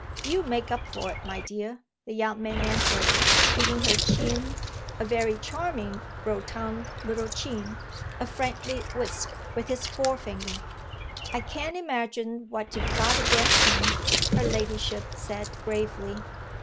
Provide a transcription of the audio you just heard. "You make up for it, my dear," the young man answered, giving her chin a very charming, rotund, little chin a friendly whisk with his forefinger. "I can't imagine what you've got against him," her ladyship said gravely.